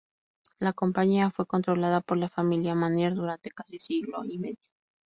La compañía fue controlada por la familia Menier durante casi siglo y medio.